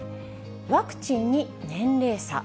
ワクチンに年齢差。